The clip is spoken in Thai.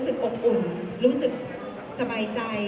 เสียงปลดมือจังกัน